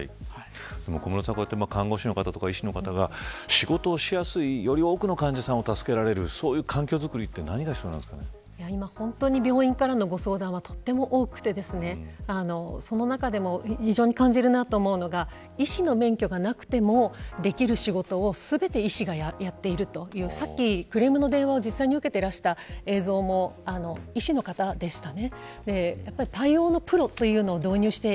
小室さん、こうやって看護師の方とか医師の方が仕事をしやすい、より多くの患者さんを助けられる今、病院からの相談がとても多くてその中でも非常に感じるなと思うのが医師の免許がなくてもできる仕事を全て医師がやっているというさっきクレームの電話を実際に受けていた映像も医師の方でしたね。